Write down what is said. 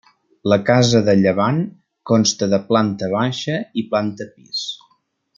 La casa de llevant, consta de planta baixa i planta pis.